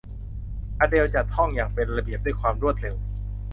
อเดลล์จัดห้องอย่างเป็นระเบียบด้วยความรวดเร็ว